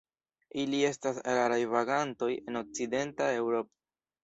Ili estas raraj vagantoj en Okcidenta Eŭropo.